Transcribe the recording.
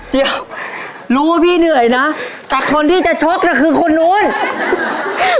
เดี๋ยวรู้ว่าพี่เหนื่อยนะแต่คนที่จะชกน่ะคือคนนู้น